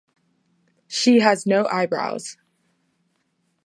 She has no eyebrows.